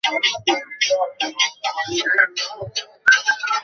থানায় চল তারপর তোর পেছনে বাঁশ ঢুকানোর ব্যাবস্থা করছি।